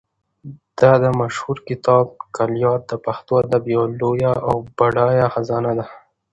د ده مشهور کتاب کلیات د پښتو ادب یوه لویه او بډایه خزانه ده.